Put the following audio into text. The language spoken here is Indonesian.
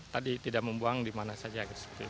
tadi tidak membuang dimana saja